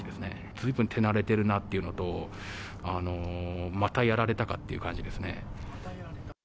ずいぶん手馴れてるなっていうのと、またやられたかっていう感じ